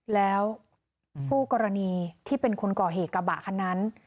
แล้วผู้กรณีที่เป็นคนก่อเหตุกระบะคันนั้น